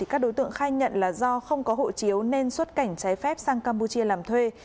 các đối tượng khai nhận là do không có hộ chiếu nên xuất cảnh trái phép sang campuchia làm thuê